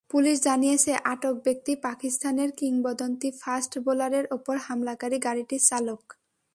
Police জানিয়েছে, আটক ব্যক্তি পাকিস্তানের কিংবদন্তি ফাস্ট বোলারের ওপর হামলাকারী গাড়িটির চালক।